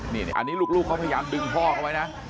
นี่อันนี้ลูกเขาพยายามดึงพ่อเขาไว้นะ